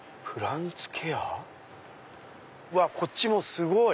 こっちもすごい！